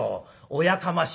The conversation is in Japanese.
『おやかましい』と」。